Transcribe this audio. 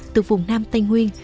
từ vùng nam tây nguyên